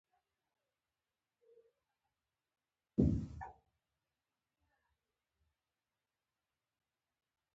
او پر قاچاقي لارو په پټه ځان ژغوري.